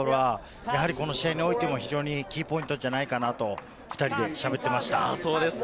この試合においてキーポイントじゃないかなと２人でしゃべっていました。